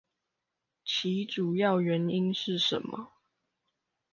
其主要原因是什麼？